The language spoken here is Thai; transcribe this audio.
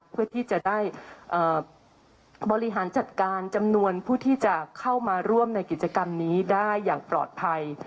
เพื่อที่จะได้บริหารจัดการจำนวนผู้ที่จะเข้ามาร่วมในกิจกรรมนี้ได้อย่างปลอดภัย